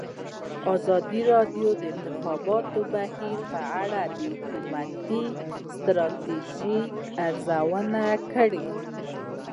ازادي راډیو د د انتخاباتو بهیر په اړه د حکومتي ستراتیژۍ ارزونه کړې.